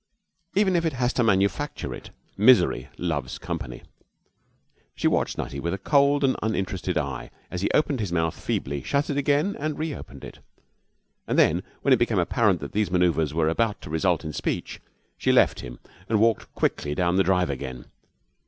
Even if it has to manufacture it, misery loves company. She watched Nutty with a cold and uninterested eye as he opened his mouth feebly, shut it again and reopened it; and then when it became apparent that these manoeuvres were about to result in speech, she left him and walked quickly down the drive again.